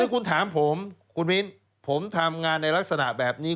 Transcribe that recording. คุณถามผมคุณมินผมทำงานในลักษณะแบบนี้